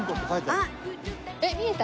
えっ見えた？